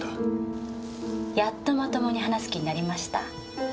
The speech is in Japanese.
やっとまともに話す気になりました？